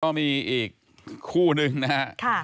ก็มีอีกคู่นึงนะครับ